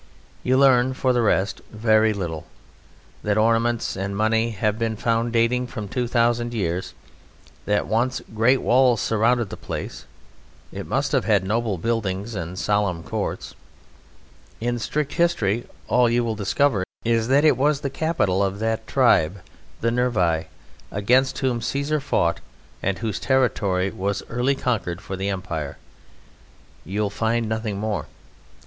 You learn (for the rest) very little that ornaments and money have been found dating from two thousand years, that once great walls surrounded the place. It must have had noble buildings and solemn courts. In strict history all you will discover is that it was the capital of that tribe, the Nervii, against whom Caesar fought, and whose territory was early conquered for the Empire. You will find nothing more.